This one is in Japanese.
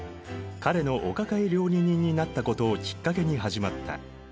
彼のお抱え料理人になったことをきっかけに始まった。